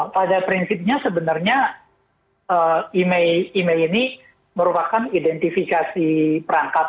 pada prinsipnya sebenarnya email ini merupakan identifikasi perangkat